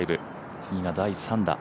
次が第３打。